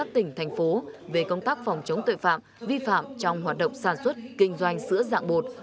tỉnh thành phố về công tác phòng chống tội phạm vi phạm trong hoạt động sản xuất kinh doanh sữa dạng bột